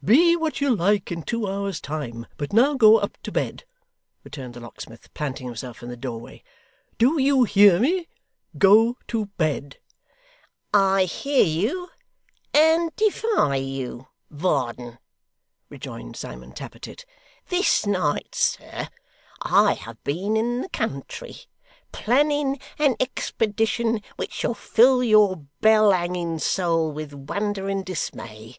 'Be what you like in two hours' time, but now go up to bed,' returned the locksmith, planting himself in the doorway. 'Do you hear me? Go to bed!' 'I hear you, and defy you, Varden,' rejoined Simon Tappertit. 'This night, sir, I have been in the country, planning an expedition which shall fill your bell hanging soul with wonder and dismay.